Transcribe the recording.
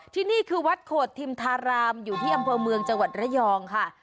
ที่นี่คือวัดโขดทิมธารามอยู่ที่อำเภอเมืองจังหวัดระยองค่ะ